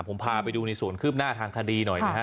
ผมพาไปดูในส่วนคืบหน้าทางคดีหน่อยนะครับ